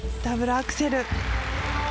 ダブルアクセル。